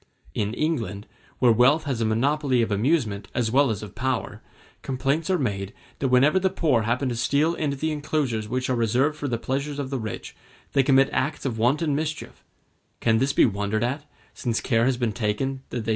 In England, where wealth has a monopoly of amusement as well as of power, complaints are made that whenever the poor happen to steal into the enclosures which are reserved for the pleasures of the rich, they commit acts of wanton mischief: can this be wondered at, since care has been taken that they should have nothing to lose?